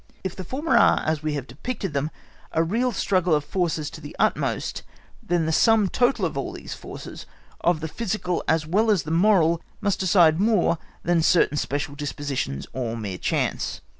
If the former are as we have depicted them, a real struggle of forces to the utmost, then the sum total of all these forces, of the physical as well as the moral, must decide more than certain special dispositions or mere chance.